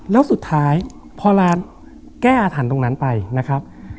แล้วสุดท้ายพอร้านแก้อาถรรพ์ตรงนั้นไปนะครับ